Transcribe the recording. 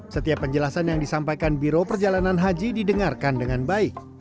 setiap penjelasan yang disampaikan biro perjalanan haji didengarkan dengan baik